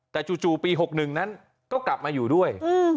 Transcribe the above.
แต่จู่ปี๖๑นั้นก็กลับมาอยู่ด้วย